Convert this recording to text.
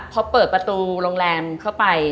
พอเปิดประตูโรงแรมเข้าไป